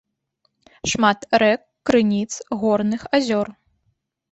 Шмат рэк, крыніц, горных азёр.